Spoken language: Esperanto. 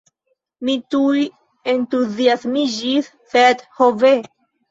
Mi tuj entuziasmiĝis; sed, ho ve!